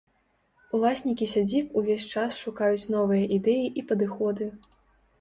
Уласнікі сядзіб увесь час шукаюць новыя ідэі і падыходы.